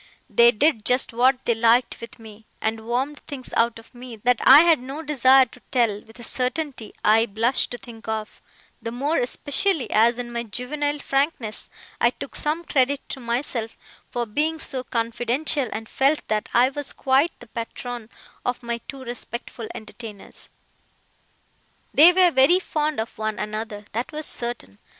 They did just what they liked with me; and wormed things out of me that I had no desire to tell, with a certainty I blush to think of, the more especially, as in my juvenile frankness, I took some credit to myself for being so confidential and felt that I was quite the patron of my two respectful entertainers. They were very fond of one another: that was certain.